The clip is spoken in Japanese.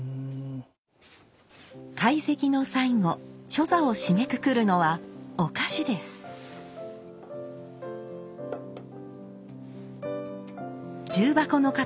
懐石の最後初座を締めくくるのはお菓子です。